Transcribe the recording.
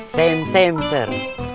same same sir